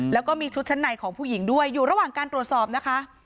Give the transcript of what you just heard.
แล้วก็มีชุดชั้นในของผู้หญิงด้วยอยู่ระหว่างการตรวจสอบนะคะ